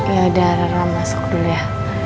yaudah rara masuk dulu ya